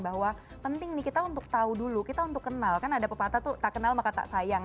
bahwa penting nih kita untuk tahu dulu kita untuk kenal kan ada pepatah tuh tak kenal maka tak sayang